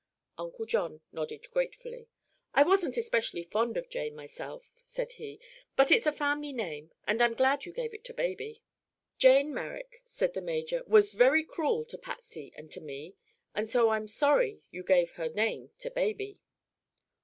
Uncle John nodded gratefully. "I wasn't especially fond of Jane, myself," said he, "but it's a family name and I'm glad you gave it to baby." "Jane Merrick," said the major, "was very cruel to Patsy and to me, and so I'm sorry you gave her name to baby."